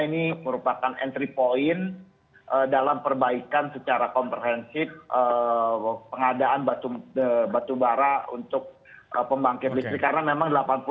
ini merupakan entry point dalam perbaikan secara komprehensif pengadaan batubara untuk pembangkit listrik karena memang